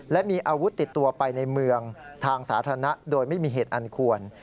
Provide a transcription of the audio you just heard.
และมีอาวุธติดตัวไปในเมืองทางสาธารณะโดยไม่มีเหตุอันควร